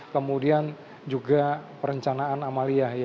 kemudian juga perencanaan amalia